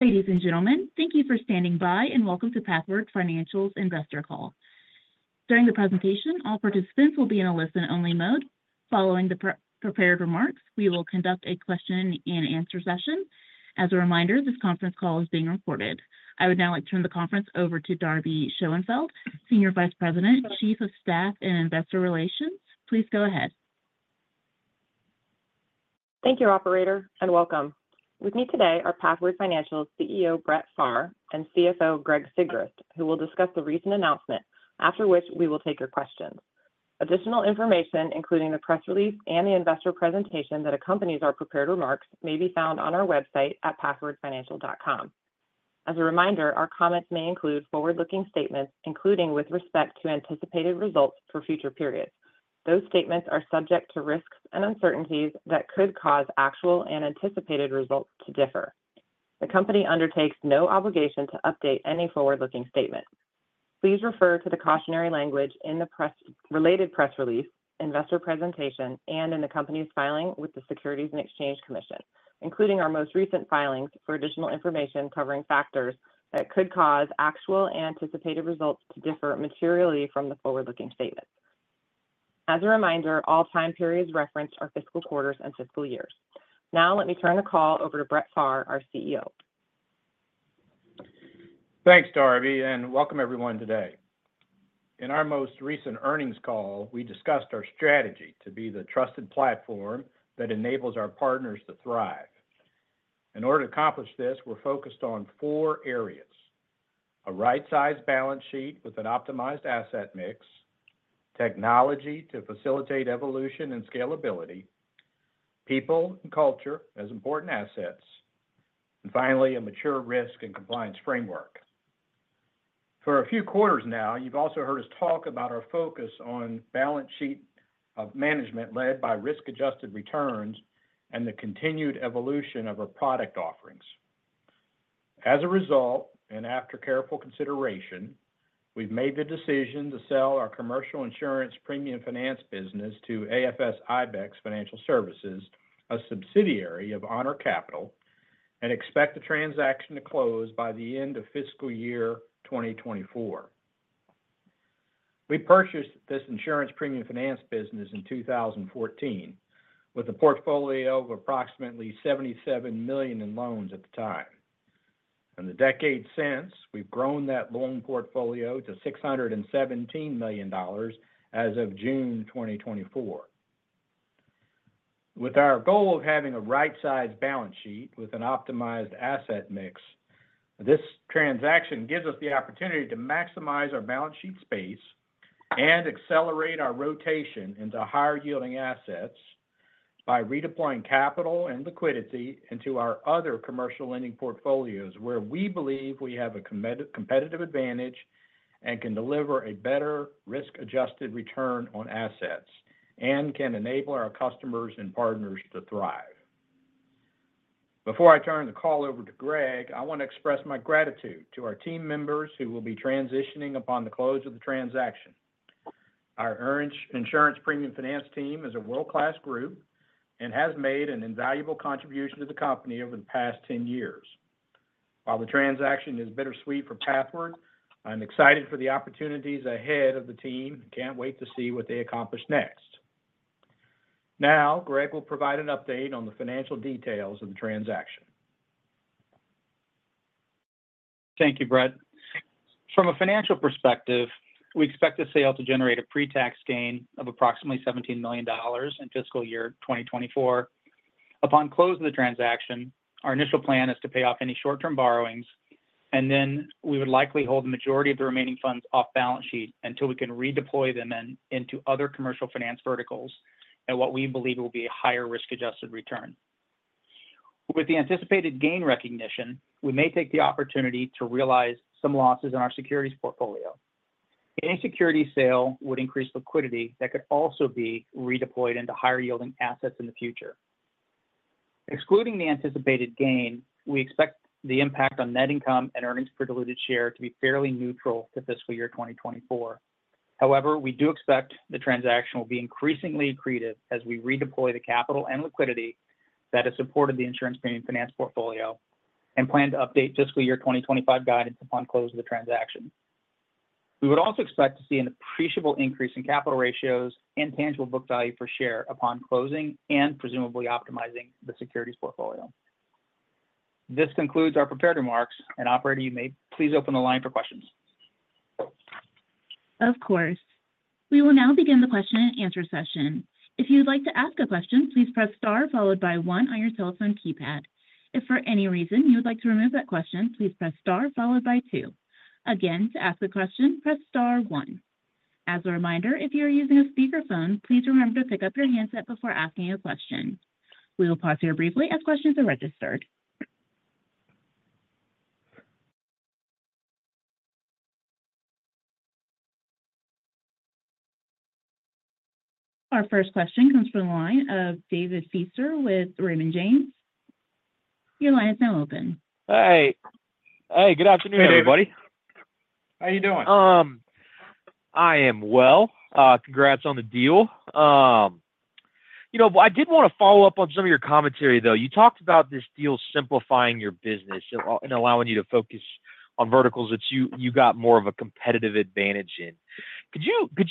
Ladies and gentlemen, thank you for standing by, and welcome to Pathward Financial's Investor Call. During the presentation, all participants will be in a listen-only mode. Following the pre-prepared remarks, we will conduct a question-and-answer session. As a reminder, this conference call is being recorded. I would now like to turn the conference over to Darby Schoenfeld, Senior Vice President, Chief of Staff, and Investor Relations. Please go ahead. Thank you, operator, and welcome. With me today are Pathward Financial's CEO, Brett Pharr, and CFO, Greg Sigrist, who will discuss the recent announcement, after which we will take your questions. Additional information, including the press release and the investor presentation that accompanies our prepared remarks, may be found on our website at pathwardfinancial.com. As a reminder, our comments may include forward-looking statements, including with respect to anticipated results for future periods. Those statements are subject to risks and uncertainties that could cause actual and anticipated results to differ. The company undertakes no obligation to update any forward-looking statement. Please refer to the cautionary language in the press release, investor presentation, and in the company's filing with the Securities and Exchange Commission, including our most recent filings for additional information covering factors that could cause actual anticipated results to differ materially from the forward-looking statements. As a reminder, all time periods referenced are fiscal quarters and fiscal years. Now, let me turn the call over to Brett Pharr, our CEO. Thanks, Darby, and welcome everyone today. In our most recent earnings call, we discussed our strategy to be the trusted platform that enables our partners to thrive. In order to accomplish this, we're focused on four areas: a right-sized balance sheet with an optimized asset mix, technology to facilitate evolution and scalability, people and culture as important assets, and finally, a mature risk and compliance framework. For a few quarters now, you've also heard us talk about our focus on balance sheet management led by risk-adjusted returns and the continued evolution of our product offerings. As a result, and after careful consideration, we've made the decision to sell our commercial insurance premium finance business to AFS/IBEX Financial Services, a subsidiary of Honor Capital, and expect the transaction to close by the end of fiscal year 2024. We purchased this insurance premium finance business in 2014, with a portfolio of approximately $77 million in loans at the time. In the decade since, we've grown that loan portfolio to $617 million as of June 2024. With our goal of having a right-sized balance sheet with an optimized asset mix, this transaction gives us the opportunity to maximize our balance sheet space and accelerate our rotation into higher-yielding assets by redeploying capital and liquidity into our other commercial lending portfolios, where we believe we have a competitive advantage and can deliver a better risk-adjusted return on assets and can enable our customers and partners to thrive. Before I turn the call over to Greg, I want to express my gratitude to our team members who will be transitioning upon the close of the transaction. Our insurance premium finance team is a world-class group and has made an invaluable contribution to the company over the past ten years. While the transaction is bittersweet for Pathward, I'm excited for the opportunities ahead of the team and can't wait to see what they accomplish next. Now, Greg will provide an update on the financial details of the transaction. Thank you, Brett. From a financial perspective, we expect the sale to generate a pre-tax gain of approximately $17 million in fiscal year 2024. Upon closing the transaction, our initial plan is to pay off any short-term borrowings, and then we would likely hold the majority of the remaining funds off-balance sheet until we can redeploy them into other commercial finance verticals at what we believe will be a higher risk-adjusted return. With the anticipated gain recognition, we may take the opportunity to realize some losses in our securities portfolio. Any security sale would increase liquidity that could also be redeployed into higher-yielding assets in the future. Excluding the anticipated gain, we expect the impact on net income and earnings per diluted share to be fairly neutral to fiscal year 2024. However, we do expect the transaction will be increasingly accretive as we redeploy the capital and liquidity that has supported the insurance premium finance portfolio and plan to update fiscal year 2025 guidance upon close of the transaction. We would also expect to see an appreciable increase in capital ratios and tangible book value per share upon closing and presumably optimizing the securities portfolio. This concludes our prepared remarks, and operator, you may please open the line for questions. Of course. We will now begin the question-and-answer session. If you'd like to ask a question, please press Star followed by one on your telephone keypad. If for any reason you would like to remove that question, please press Star followed by two. Again, to ask a question, press Star one. As a reminder, if you are using a speakerphone, please remember to pick up your handset before asking a question. We will pause here briefly as questions are registered. Our first question comes from the line of David Feaster with Raymond James. Your line is now open. Hi. Hey, good afternoon, everybody. ... How are you doing? I am well. Congrats on the deal. You know, but I did want to follow up on some of your commentary, though. You talked about this deal simplifying your business and allowing you to focus on verticals that you got more of a competitive advantage in. Could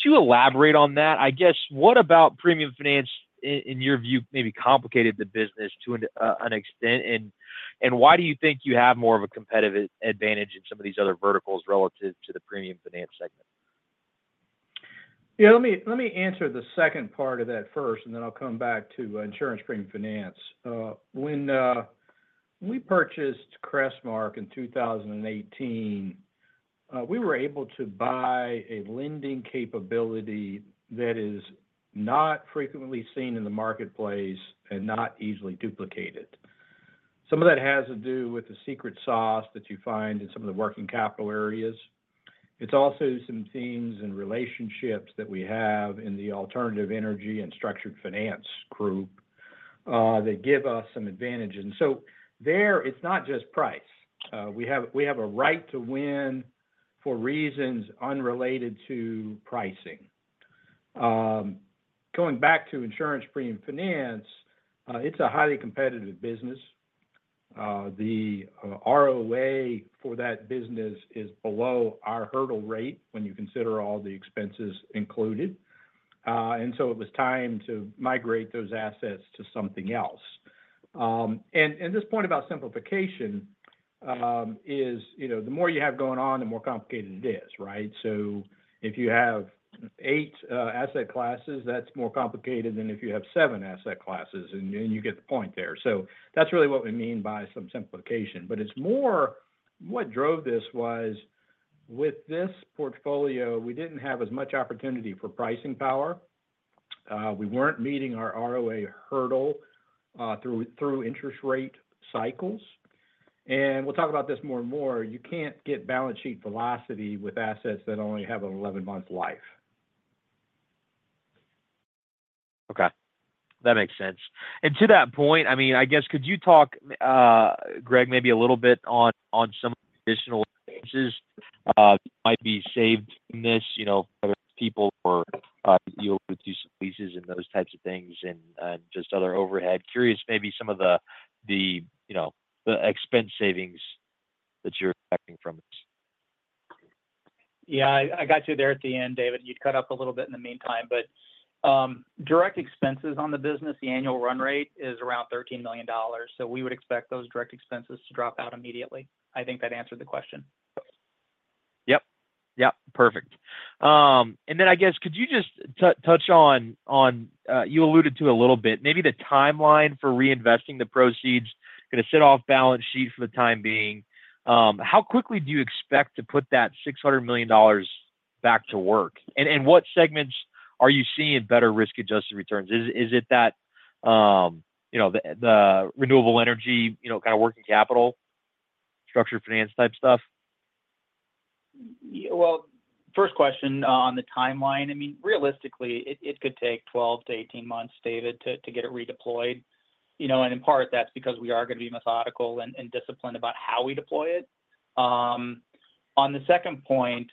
you elaborate on that? I guess, what about premium finance, in your view, maybe complicated the business to an extent, and why do you think you have more of a competitive advantage in some of these other verticals relative to the premium finance segment? Yeah, let me answer the second part of that first, and then I'll come back to insurance premium finance. When we purchased Crestmark in 2018, we were able to buy a lending capability that is not frequently seen in the marketplace and not easily duplicated. Some of that has to do with the secret sauce that you find in some of the working capital areas. It's also some teams and relationships that we have in the alternative energy and structured finance group that give us some advantages. And so there, it's not just price. We have a right to win for reasons unrelated to pricing. Going back to insurance premium finance, it's a highly competitive business. The ROA for that business is below our hurdle rate when you consider all the expenses included. And so it was time to migrate those assets to something else. And this point about simplification is, you know, the more you have going on, the more complicated it is, right? So if you have eight asset classes, that's more complicated than if you have seven asset classes, and you get the point there. So that's really what we mean by some simplification. But it's more, what drove this was, with this portfolio, we didn't have as much opportunity for pricing power. We weren't meeting our ROA hurdle through interest rate cycles. And we'll talk about this more and more. You can't get balance sheet velocity with assets that only have an 11-month life. Okay, that makes sense. And to that point, I mean, I guess, could you talk, Greg, maybe a little bit on some additional changes that might be saved in this, you know, people or deal with pieces and those types of things and just other overhead. Curious, maybe some of the, you know, the expense savings that you're expecting from this. Yeah, I got you there at the end, David. You cut out a little bit in the meantime, but direct expenses on the business, the annual run rate is around $13 million, so we would expect those direct expenses to drop out immediately. I think that answered the question. Yep. Yep, perfect. And then, I guess, could you just touch on... You alluded to a little bit, maybe the timeline for reinvesting the proceeds. Gonna sit off-balance sheet for the time being. How quickly do you expect to put that $600 million back to work? And what segments are you seeing better risk-adjusted returns? Is it that, you know, the renewable energy, you know, kind of working capital, structured finance type stuff? Well, first question, on the timeline, I mean, realistically, it could take 12-18 months, David, to get it redeployed. You know, and in part, that's because we are going to be methodical and disciplined about how we deploy it. On the second point,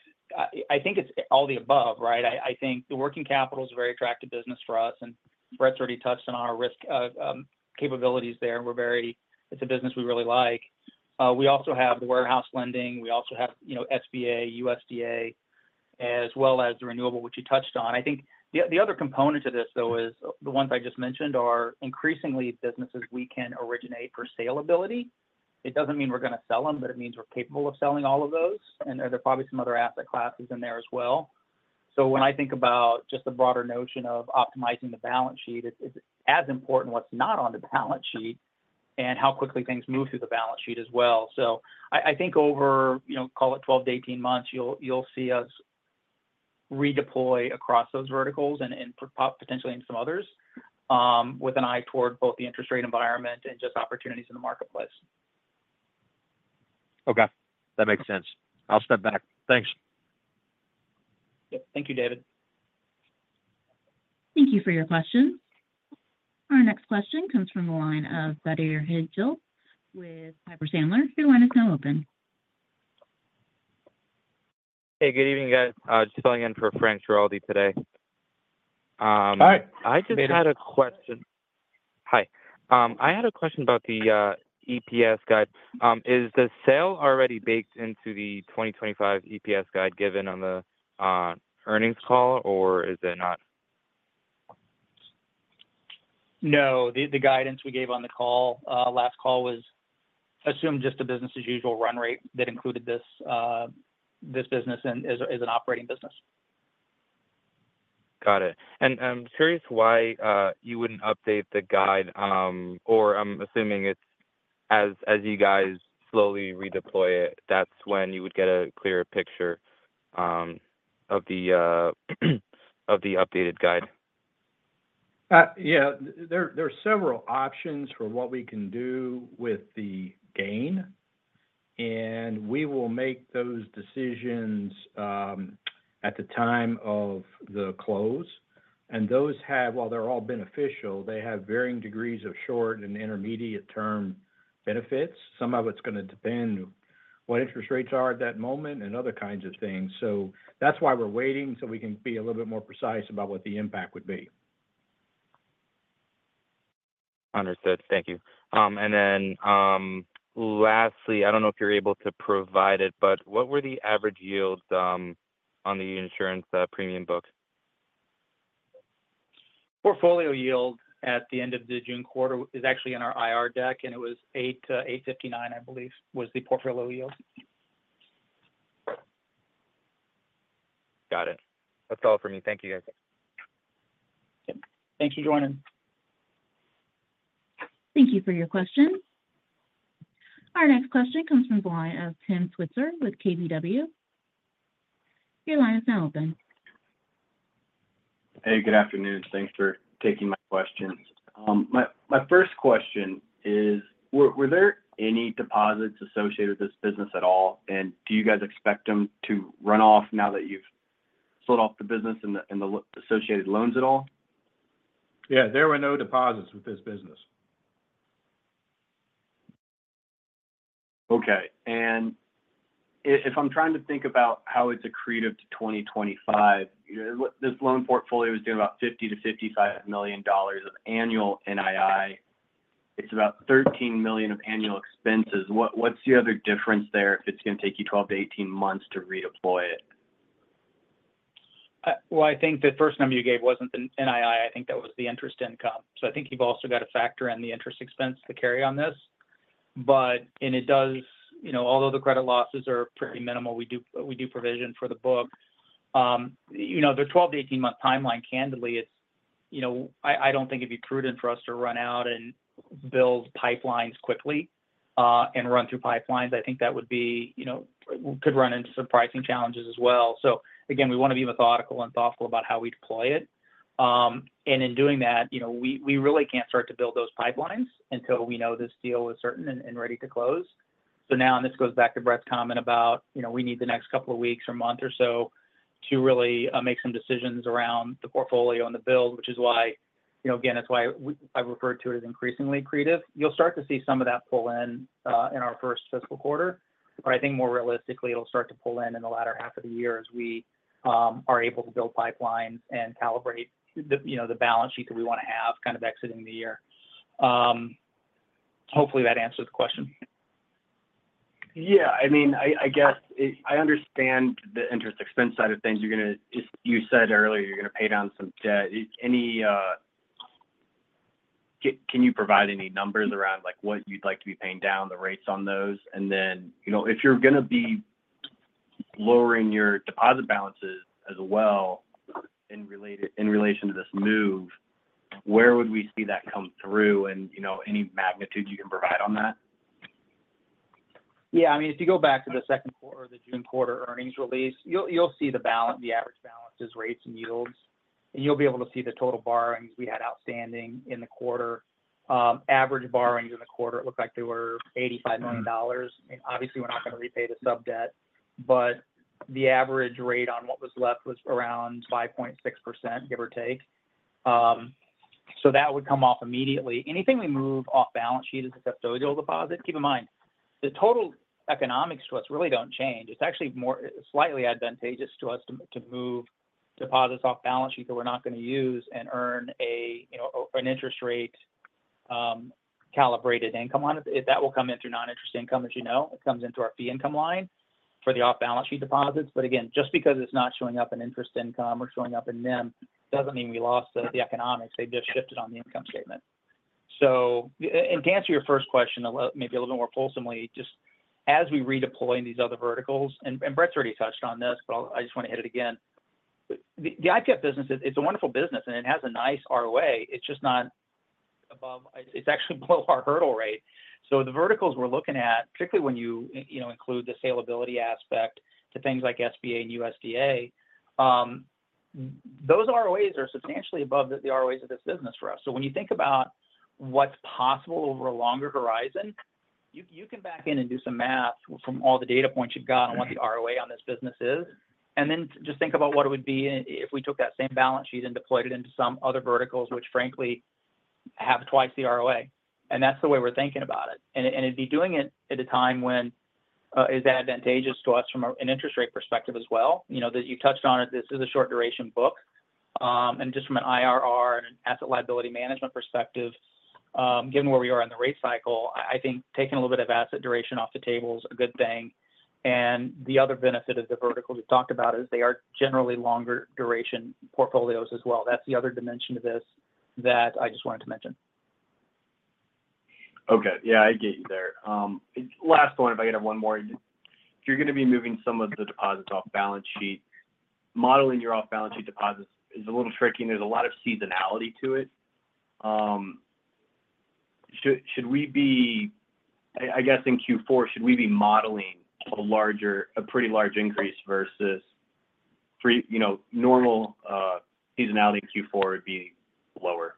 I think it's all the above, right? I think the working capital is a very attractive business for us, and Brett's already touched on our risk capabilities there. It's a business we really like. We also have the warehouse lending, we also have, you know, SBA, USDA, as well as the renewable, which you touched on. I think the other component to this, though, is the ones I just mentioned are increasingly businesses we can originate for saleability. It doesn't mean we're going to sell them, but it means we're capable of selling all of those, and there are probably some other asset classes in there as well. So when I think about just the broader notion of optimizing the balance sheet, it's as important what's not on the balance sheet and how quickly things move through the balance sheet as well. So I think over, you know, call it twelve to eighteen months, you'll see us redeploy across those verticals and potentially in some others, with an eye toward both the interest rate environment and just opportunities in the marketplace. Okay, that makes sense. I'll step back. Thanks. Yep. Thank you, David. Thank you for your question. Our next question comes from the line of Badri Jillella with Piper Sandler. Your line is now open. Hey, good evening, guys. Just calling in for Frank Schiraldi today. Hi. I just had a question. Hi, I had a question about the EPS guide. Is the sale already baked into the 2025 EPS guide given on the earnings call, or is it not? No, the guidance we gave on the call last call was assumed just a business as usual run rate that included this business and as an operating business. Got it. And I'm curious why you wouldn't update the guide, or I'm assuming it's as you guys slowly redeploy it, that's when you would get a clearer picture of the updated guide. Yeah. There are several options for what we can do with the gain, and we will make those decisions at the time of the close, and those have, while they're all beneficial, they have varying degrees of short and intermediate term benefits. Some of it's gonna depend what interest rates are at that moment and other kinds of things. So that's why we're waiting, so we can be a little bit more precise about what the impact would be. Understood. Thank you. And then, lastly, I don't know if you're able to provide it, but what were the average yields on the insurance premium book? Portfolio yield at the end of the June quarter is actually in our IR deck, and it was 8%-8.59%, I believe, was the portfolio yield. Got it. That's all for me. Thank you, guys. Thank you for joining. Thank you for your question. Our next question comes from the line of Tim Switzer with KBW. Your line is now open. Hey, good afternoon. Thanks for taking my question. My first question is, were there any deposits associated with this business at all? And do you guys expect them to run off now that you've sold off the business and the associated loans at all? Yeah, there were no deposits with this business. Okay. And if I'm trying to think about how it's accretive to 2025, you know, what this loan portfolio is doing about $50-$55 million of annual NII. It's about $13 million of annual expenses. What's the other difference there if it's gonna take you 12-18 months to redeploy it? Well, I think the first number you gave wasn't the NII. I think that was the interest income. So I think you've also got to factor in the interest expense to carry on this. But and it does, you know, although the credit losses are pretty minimal, we do provision for the book. You know, the twelve-to-eighteen-month timeline, candidly, it's, you know, I don't think it'd be prudent for us to run out and build pipelines quickly, and run through pipelines. I think that would be, you know, could run into some pricing challenges as well. So again, we want to be methodical and thoughtful about how we deploy it. And in doing that, you know, we really can't start to build those pipelines until we know this deal is certain and ready to close. So now, and this goes back to Brett's comment about, you know, we need the next couple of weeks or month or so to really make some decisions around the portfolio and the build, which is why, you know, again, that's why I refer to it as increasingly accretive. You'll start to see some of that pull in in our first fiscal quarter, but I think more realistically, it'll start to pull in in the latter half of the year as we are able to build pipelines and calibrate the, you know, the balance sheet that we want to have kind of exiting the year. Hopefully that answers the question. Yeah. I mean, I guess it. I understand the interest expense side of things. You're gonna just. You said earlier you're gonna pay down some debt. Can you provide any numbers around, like, what you'd like to be paying down, the rates on those? And then, you know, if you're gonna be lowering your deposit balances as well in relation to this move, where would we see that come through? And, you know, any magnitude you can provide on that? Yeah, I mean, if you go back to the second quarter or the June quarter earnings release, you'll see the balance, the average balances, rates, and yields, and you'll be able to see the total borrowings we had outstanding in the quarter. Average borrowings in the quarter looked like they were $85 million. Mm-hmm. I mean, obviously, we're not going to repay the sub-debt, but the average rate on what was left was around 5.6%, give or take. So that would come off immediately. Anything we move off balance sheet is a custodial deposit. Keep in mind, the total economics to us really don't change. It's actually more, slightly advantageous to us to move deposits off balance sheet that we're not going to use and earn a, you know, an interest rate calibrated income on it. That will come in through non-interest income, as you know. It comes into our fee income line for the off-balance sheet deposits. But again, just because it's not showing up in interest income or showing up in NIM, doesn't mean we lost the economics. They just shifted on the income statement. And to answer your first question, a little, maybe a little more fulsomely, just as we redeploy in these other verticals, and Brett's already touched on this, but I just want to hit it again. The IPF business is, it's a wonderful business, and it has a nice ROA. It's just not above. It's actually below our hurdle rate. So the verticals we're looking at, particularly when you, you know, include the saleability aspect to things like SBA and USDA, those ROAs are substantially above the ROAs of this business for us. So when you think about what's possible over a longer horizon, you, you can back in and do some math from all the data points you've got. Mm-hmm... on what the ROA on this business is. And then just think about what it would be if we took that same balance sheet and deployed it into some other verticals, which frankly, have twice the ROA. And that's the way we're thinking about it. And it'd be doing it at a time when is advantageous to us from an interest rate perspective as well. You know, that you touched on it, this is a short duration book. And just from an IRR and an asset liability management perspective, given where we are in the rate cycle, I think taking a little bit of asset duration off the table is a good thing. And the other benefit of the verticals we've talked about is they are generally longer duration portfolios as well. That's the other dimension to this that I just wanted to mention. Okay. Yeah, I get you there. Last one, if I could have one more. If you're going to be moving some of the deposits off-balance sheet, modeling your off-balance sheet deposits is a little tricky, and there's a lot of seasonality to it. Should we be I guess, in Q4, should we be modeling a larger, a pretty large increase versus three, you know, normal seasonality in Q4 would be lower?...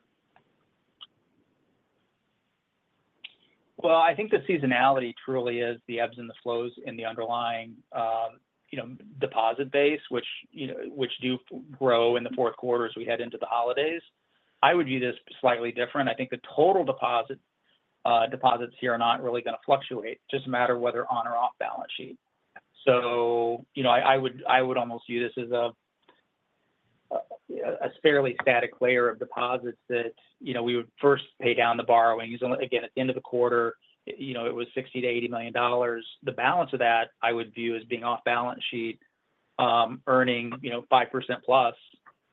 I think the seasonality truly is the ebbs and the flows in the underlying, you know, deposit base, which, you know, do grow in the fourth quarter as we head into the holidays. I would view this slightly different. I think the total deposits here are not really going to fluctuate, just a matter of whether on or off balance sheet. So, you know, I would almost view this as a fairly static layer of deposits that, you know, we would first pay down the borrowings. And again, at the end of the quarter, you know, it was $60-$80 million. The balance of that I would view as being off balance sheet, earning, you know, 5% plus,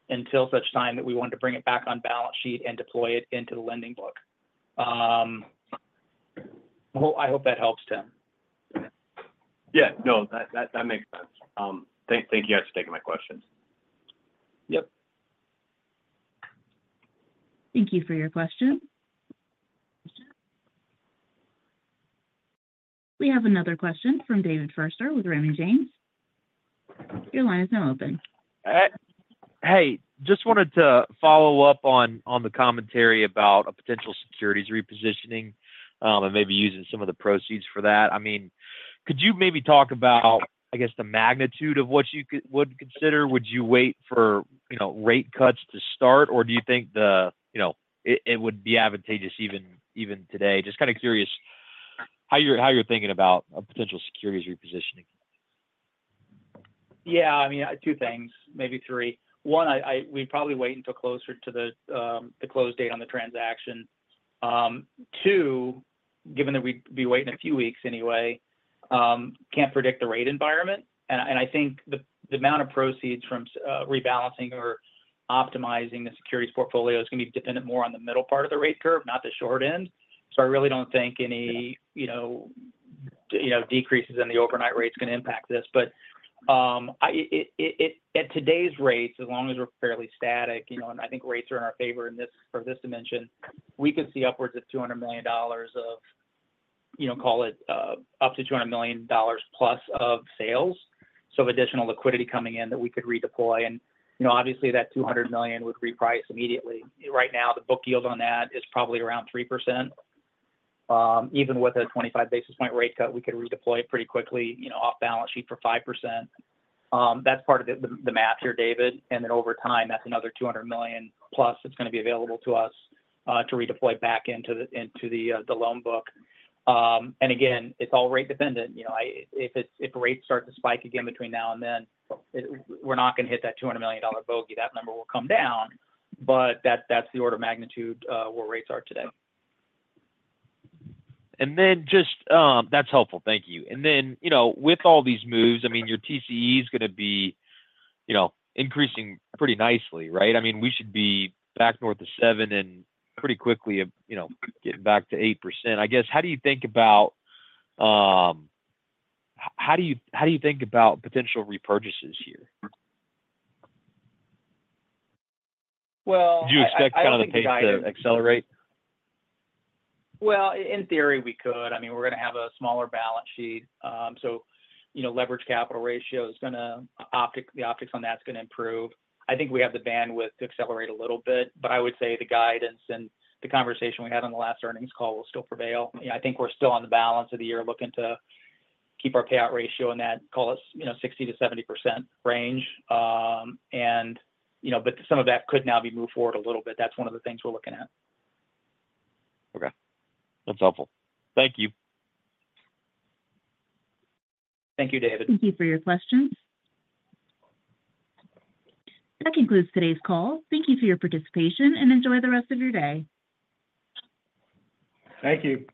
until such time that we wanted to bring it back on balance sheet and deploy it into the lending book. Well, I hope that helps, Tim. Yeah, no, that makes sense. Thank you guys for taking my questions. Yep. Thank you for your question. We have another question from David Feaster with Raymond James. Your line is now open. Hey, hey, just wanted to follow up on the commentary about a potential securities repositioning and maybe using some of the proceeds for that. I mean, could you maybe talk about, I guess, the magnitude of what you would consider? Would you wait for, you know, rate cuts to start, or do you think you know, it would be advantageous even today? Just kind of curious how you're thinking about a potential securities repositioning. Yeah, I mean, two things, maybe three. One, we'd probably wait until closer to the close date on the transaction. Two, given that we'd be waiting a few weeks anyway, can't predict the rate environment. And I think the amount of proceeds from rebalancing or optimizing the securities portfolio is going to be dependent more on the middle part of the rate curve, not the short end. So I really don't think any, you know, decreases in the overnight rate is going to impact this. But at today's rates, as long as we're fairly static, you know, and I think rates are in our favor in this dimension, we could see upwards of $200 million of, you know, call it, up to $200 million plus of sales. So additional liquidity coming in that we could redeploy and, you know, obviously that $200 million would reprice immediately. Right now, the book yield on that is probably around 3%. Even with a 25 basis point rate cut, we could redeploy it pretty quickly, you know, off balance sheet for 5%. That's part of the math here, David. And then over time, that's another $200 million, plus it's going to be available to us to redeploy back into the loan book. And again, it's all rate dependent. You know, if rates start to spike again between now and then, we're not going to hit that $200 million bogey. That number will come down, but that's the order of magnitude where rates are today. That's helpful. Thank you. And then, you know, with all these moves, I mean, your TCE is going to be, you know, increasing pretty nicely, right? I mean, we should be back north of 7% and pretty quickly, you know, getting back to 8%. I guess, how do you think about potential repurchases here? Well, Do you expect the pace to accelerate? In theory, we could. I mean, we're going to have a smaller balance sheet, so you know, leverage capital ratio, the optics on that is going to improve. I think we have the bandwidth to accelerate a little bit, but I would say the guidance and the conversation we had on the last earnings call will still prevail. You know, I think we're still on the balance of the year, looking to keep our payout ratio in that, call it, you know, 60%-70% range, and you know, but some of that could now be moved forward a little bit. That's one of the things we're looking at. Okay. That's helpful. Thank you. Thank you, David. Thank you for your questions. That concludes today's call. Thank you for your participation, and enjoy the rest of your day. Thank you.